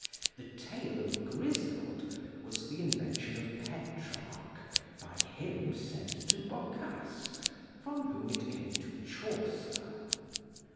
The tale of Grizild was the invention of Petrarch; by him sent to Boccace; from whom it came to Chaucer.